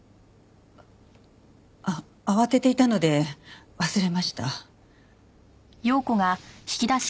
あ慌てていたので忘れました。